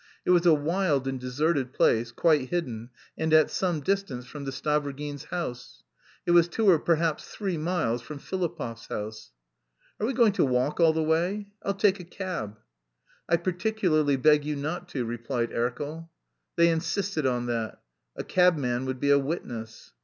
It was a wild and deserted place, quite hidden and at some distance from the Stavrogins' house. It was two or perhaps three miles from Filipov's house. "Are we going to walk all the way? I'll take a cab." "I particularly beg you not to," replied Erkel. They insisted on that. A cabman would be a witness.